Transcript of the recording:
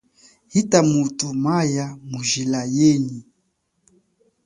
Ita muthu maya mujila yenyi.